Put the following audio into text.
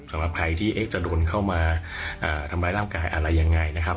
สำหรับใครที่จะโดนเข้ามาทำร้ายร่างกายอะไรยังไงนะครับ